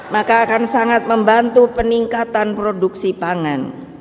maka akan sangat membantu peningkatan produksi pangan